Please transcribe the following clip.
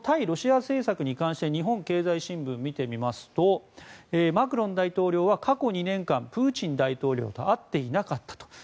ロシア政策に関して日本経済新聞を見てみますとマクロン大統領は過去２年間プーチン大統領と会っていなかったと。